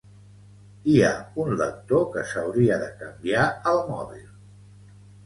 Hi ha un lector que s'hauria de canviar el mòbil